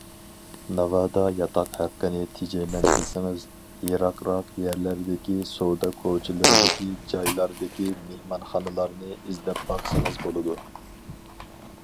ناۋادا ياتاق ھەققىنى تېجەيمەن دېسىڭىز، يىراقراق يەرلەردىكى سودا كوچىلىرىدىكى جايلاردىكى مېھمانخانىلارنى ئىزدەپ باقسىڭىز بولىدۇ.